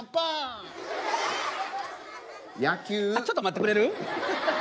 あっちょっと待ってくれる？